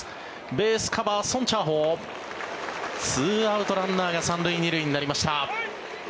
ベースカバー、ソン・チャーホウ２アウト、ランナーが３塁２塁になりました。